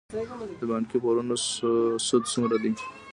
د بانکي پورونو سود څومره دی؟